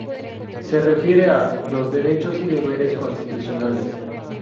Se refiere a "los derechos y deberes constitucionales".